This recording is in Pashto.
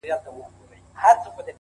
o دا دی د ژوند و آخري نفس ته ودرېدم.